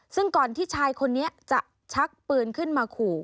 ซึ่งก่อนที่ชายคนนี้จะชักปืนขึ้นมาขู่